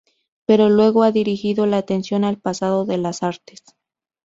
Pero luego ha dirigido la atención al pasado de las artes.